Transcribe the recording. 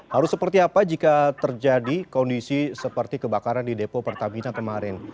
harus seperti apa jika terjadi kondisi seperti kebakaran di depo pertamina kemarin